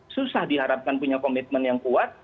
susah diharapkan punya komitmen yang kuat